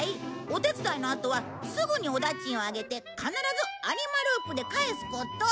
お手伝いのあとはすぐにお駄賃をあげて必ずアニマループで帰すこと。